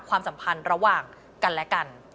ความสัมพันธ์ระหว่างกันและกัน